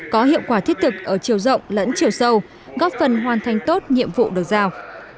có hiệu quả thiết thực ở chiều rộng lẫn chiều sâu góp phần hoàn thành tốt nhiệm vụ được giao